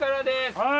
はい！